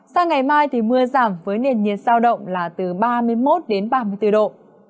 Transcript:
sang ngày mai thì mưa giảm với nền nhiệt sao động là từ ba mươi một đến ba mươi bốn độ